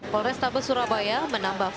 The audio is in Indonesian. polres taba surabaya menambah fungsi